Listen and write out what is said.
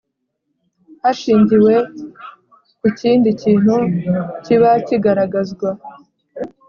Hashingiwe ku kindi kintu kiba kigaragazwa